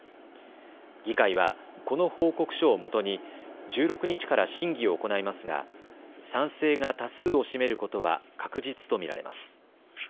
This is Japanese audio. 議会はこの報告書をもとに１６日から審議を行いますが賛成が多数を占めることは確実と見られます。